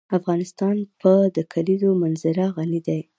افغانستان په د کلیزو منظره غني دی.